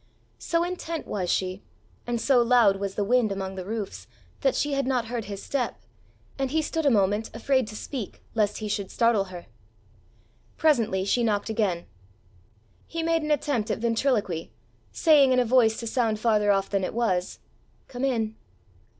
So intent was she, and so loud was the wind among the roofs, that she had not heard his step, and he stood a moment afraid to speak lest he should startle her. Presently she knocked again. He made an attempt at ventriloquy, saying in a voice to sound farther off than it was, "Come in."